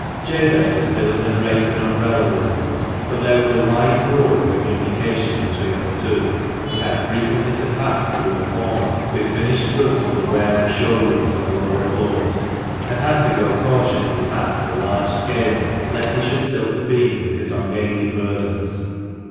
Jabez was still in the brace and umbrella room, but there was a wide door of communication between the two, and he had frequently to pass through the former with finished goods for the ware and show rooms on the lower floors, and had to go cautiously past the large scale, lest he should tilt the beam with his ungainly burdens.